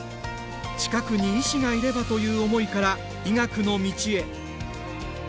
「近くに医者がいれば」という思いから、医学の道へ。